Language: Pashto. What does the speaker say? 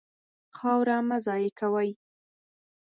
خاوره مه ضایع کوئ.